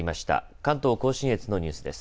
関東甲信越のニュースです。